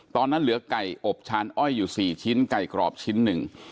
ตอนนั้นเหลือไก่อบชานอ้อยอยู่๔ชิ้นไก่กรอบชิ้นหนึ่ง